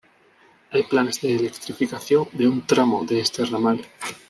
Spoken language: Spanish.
Hay planes de electrificación de un tramo de este ramal.